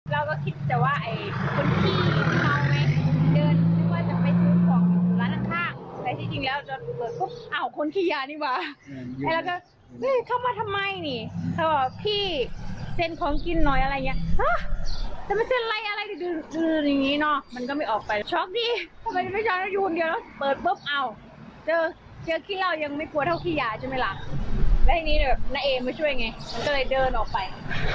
เราก็คิดแหละว่าไอคนนี้เราไหมเดินจะไป